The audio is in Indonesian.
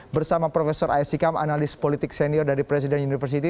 bersama profesor aisy kam analis politik senior dari presiden universiti